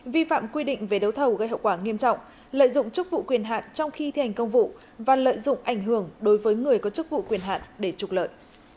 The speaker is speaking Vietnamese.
vi phạm quy định về đấu thầu gây hậu quả nghiêm trọng lợi dụng chức vụ quyền hạn trong khi thi hành công vụ và lợi dụng ảnh hưởng đối với người có chức vụ quyền hạn để trục lợi